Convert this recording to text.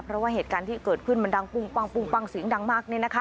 เพราะว่าเหตุการณ์ที่เกิดขึ้นมันดังปุ้งปั้งเสียงดังมาก